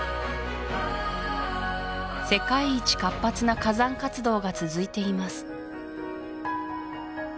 世界一活発な火山活動が続いています